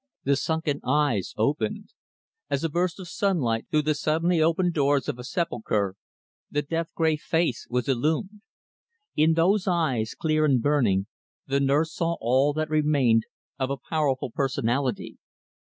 The sunken eyes opened. As a burst of sunlight through the suddenly opened doors of a sepulchre, the death gray face was illumed. In those eyes, clear and burning, the nurse saw all that remained of a powerful personality.